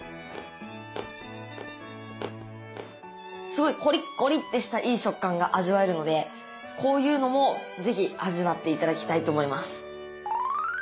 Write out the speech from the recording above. すごいコリッコリッてしたいい食感が味わえるのでこういうのも是非味わって頂きたいと思います。